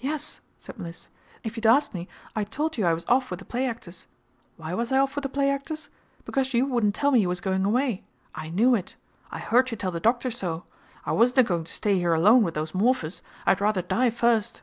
"Yes," said Mliss. "If you'd asked me, I'd told you I was off with the play actors. Why was I off with the play actors? Because you wouldn't tell me you was going away. I knew it. I heard you tell the Doctor so. I wasn't a goin' to stay here alone with those Morphers. I'd rather die first."